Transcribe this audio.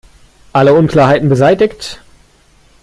Alle Unklarheiten beseitigt?